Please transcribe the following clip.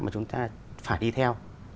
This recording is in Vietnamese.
mà chúng ta phải đi theo